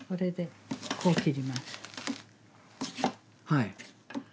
はい。